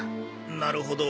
なるほど。